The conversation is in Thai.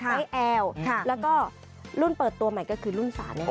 แล้วก็รุ่นเปิดตัวใหม่ก็คือรุ่นศาล